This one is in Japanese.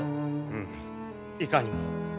うんいかにも。